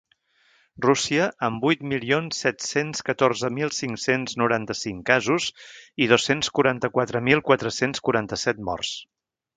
Rússia, amb vuit milions set-cents catorze mil cinc-cents noranta-cinc casos i dos-cents quaranta-quatre mil quatre-cents quaranta-set morts.